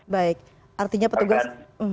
baik artinya petugas